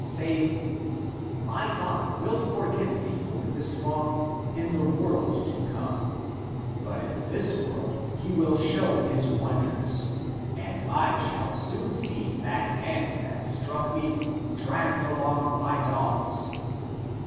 saying, " My God will forgive thee for this wrong in the world to come, but in this world he will show his wonders, and I shall soon see that hand that struck me dragged along by dogs.